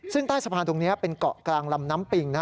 ซึ่งใต้สะพานตรงนี้เป็นเกาะกลางลำน้ำปิง